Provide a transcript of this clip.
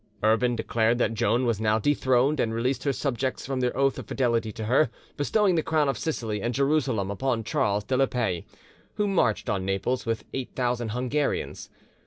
Urban declared that Joan was now dethroned, and released her subjects from their oath of fidelity to her, bestowing the crown of Sicily and Jerusalem upon Charles de la Paix, who marched on Naples with 8000 Hungarians.